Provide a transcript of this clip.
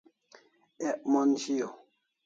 Ek mon shiau